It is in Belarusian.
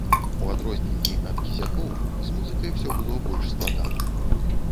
У адрозненні ад кізякоў, з музыкай было ўсё больш складана.